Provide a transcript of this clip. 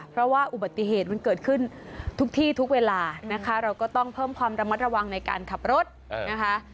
เพราะว่าอุบัติเหตุมันเกิดขึ้นทุกที่ทุกเวลานะคะเราก็ต้องเพิ่มความระมัดระวังในการขับรถนะคะ